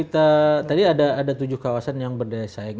tadi ada tujuh kawasan yang berdaya saing